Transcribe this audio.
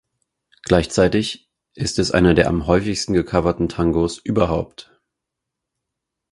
Gleichzeitig ist es einer der am häufigsten gecoverten Tangos überhaupt.